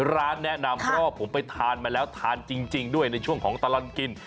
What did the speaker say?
ร้านแนะนำเพราะว่าผมไปทานมาแล้วทานจริงด้วยในช่วงของตลอดกิน